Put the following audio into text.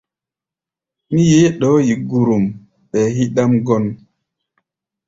Mí yeé ɗɔɔ́ yi gurum ɓɛɛ híɗʼám gɔ́n.